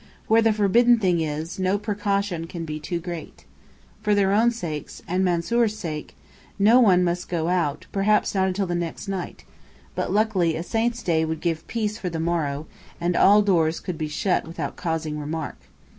Where the forbidden thing is, no precaution can be too great. For their own sakes, and Mansoor's sake, no one must go out, perhaps not till the next night; but luckily a saint's day would give peace for the morrow, and all doors could be shut without causing remark.